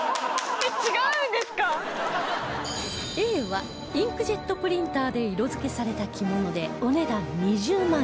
Ａ はインクジェットプリンターで色づけされた着物でお値段２０万円